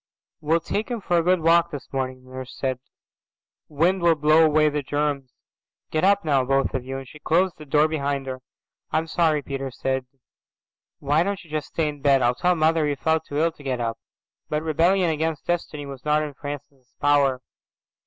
"We'll take him for a good walk this morning," the nurse said. "Wind'll blow away the germs. Get up now, both of you," and she closed the door behind her. "I'm sorry," Peter said. "Why don't you just stay in bed? I'll tell mother you felt too ill to get up." But rebellion against destiny was not in Francis's power.